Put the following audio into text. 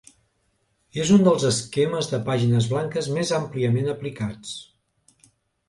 És un dels esquemes de pàgines blanques més àmpliament aplicats.